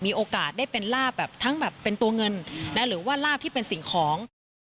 มีโอกาสได้เป็นลาบแบบทั้งแบบเป็นตัวเงินหรือว่าลาบที่เป็นสิ่งของ